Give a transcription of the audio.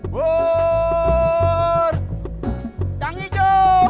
buur yang hijau